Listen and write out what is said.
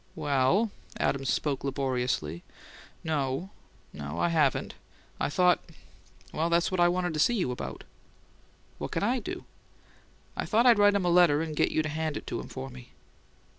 "Well " Adams spoke laboriously. "No. No, I haven't. I thought well, that's what I wanted to see you about." "What can I do?" "I thought I'd write him a letter and get you to hand it to him for me."